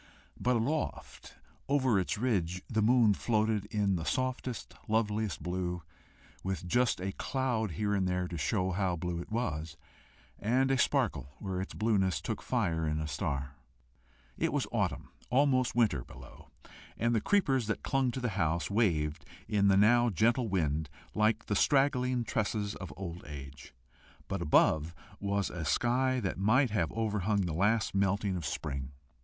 But aloft over its ridge the moon floated in the softest, loveliest blue, with just a cloud here and there to show how blue it was, and a sparkle where its blueness took fire in a star. It was autumn, almost winter, below, and the creepers that clung to the house waved in the now gentle wind like the straggling tresses of old age; but above was a sky that might have overhung the last melting of spring into summer.